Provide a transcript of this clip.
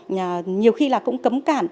nhiều khi là cũng cấm cản